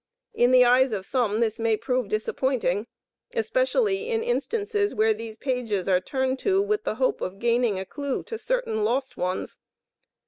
In the eyes of some, this may prove disappointing, especially in instances where these pages are turned to with the hope of gaining a clue to certain lost ones.